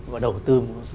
và đầu tư